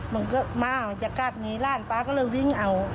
มันก็มามันจะกลับหนีร้านป๊าก็เลยวิ่งเอา